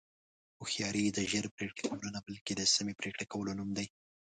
هوښیاري د ژر پرېکړې کولو نه، بلکې د سمې پرېکړې کولو نوم دی.